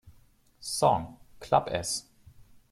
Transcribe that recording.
Song: "Club S"